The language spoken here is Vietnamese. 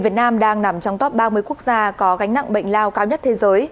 việt nam đang nằm trong top ba mươi quốc gia có gánh nặng bệnh lao cao nhất thế giới